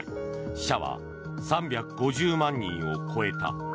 死者は３５０万人を超えた。